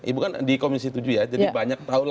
ibu kan di komisi tujuh ya jadi banyak